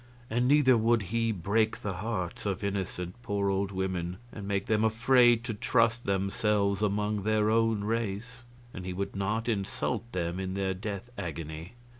And neither would he break the hearts of innocent, poor old women and make them afraid to trust themselves among their own race; and he would not insult them in their death agony.